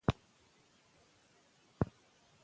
د بس راتګ ته یوازې څو دقیقې پاتې وې.